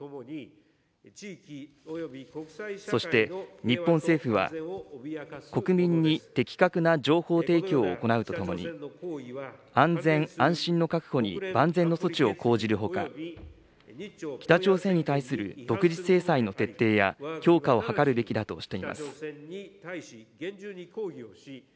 そして日本政府は、国民に的確な情報提供を行うとともに、安全・安心の確保に万全の措置を講じるほか、北朝鮮に対する独自制裁の徹底や強化を図るべきだとしています。